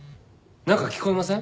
なんか聞こえません？